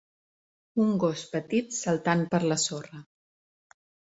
un gos petit saltant per la sorra